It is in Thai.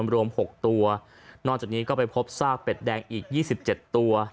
รวมหกตัวนอนจากนี้ก็ไปพบซากเป็ดแดงอีกยี่สิบเจ็ดตัว